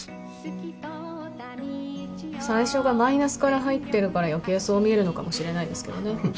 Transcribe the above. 最初がマイナスから入ってるから余計そう見えるのかもしれないですけどね。